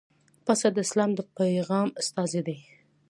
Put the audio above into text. پسه د اسلام د پیغام استازی دی.